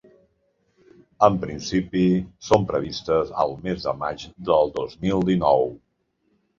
En principi, són previstes al mes de maig del dos mil dinou.